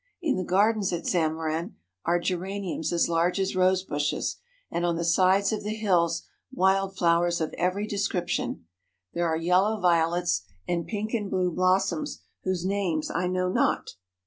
In the gardens at Zammarin are geraniums as large as rose bushes and on the sides of the hills wild flowers of every description. There are yellow violets, and pink and blue blossoms whose names I know not.